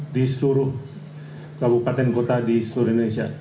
di seluruh kabupaten kota di seluruh indonesia